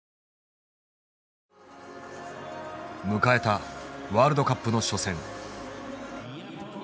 迎えたワールドカップの初戦。